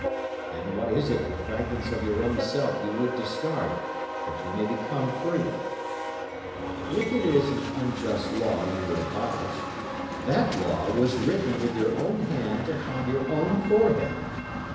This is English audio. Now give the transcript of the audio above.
And what is it but fragments of your own self you would discard that you may become free? If it is an unjust law you would abolish, that law was written with your own hand upon your own forehead.